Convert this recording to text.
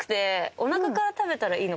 おなかから食べたらいいのかな。